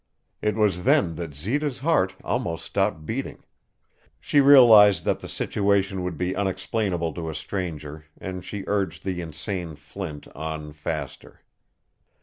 It was then that Zita's heart almost stopped beating. She realized that the situation would be unexplainable to a stranger and she urged the insane Flint on faster.